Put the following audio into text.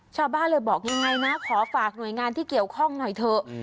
ชาวบ้านเลยบอกยังไงนะขอฝากหน่วยงานที่เกี่ยวข้องหน่อยเถอะ